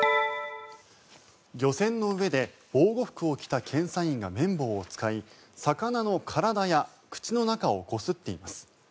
漁船の上で防護服を着た検査員が綿棒を使い魚の体や口の中をこすっています。